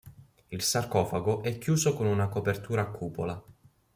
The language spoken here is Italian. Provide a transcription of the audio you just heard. Il sarcofago è chiuso con una copertura a cupola.